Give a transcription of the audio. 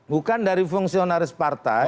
bukan dari fungsionaris partai